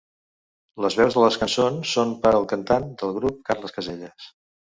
Les veus de les cançons són par el cantant del grup Carles Caselles.